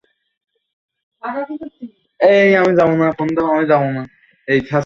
তহবিলটি থেকে শ্রমিকদের অনুদান, গ্রুপ বিমার বাৎসরিক প্রিমিয়াম দেওয়াসহ বিভিন্ন কাজে লাগবে।